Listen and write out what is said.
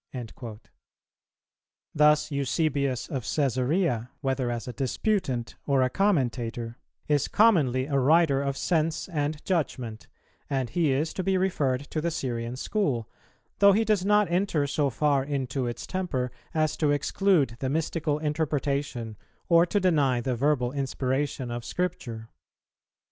"[287:3] Thus Eusebius of Cæsarea, whether as a disputant or a commentator, is commonly a writer of sense and judgment; and he is to be referred to the Syrian school, though he does not enter so far into its temper as to exclude the mystical interpretation or to deny the verbal inspiration of Scripture.